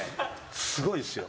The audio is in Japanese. すごいですよ。